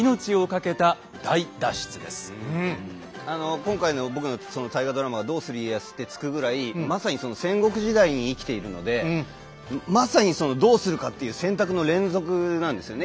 今回の僕のその大河ドラマが「どうする家康」って付くぐらいまさにその戦国時代に生きているのでまさにそのどうするかっていう選択の連続なんですよね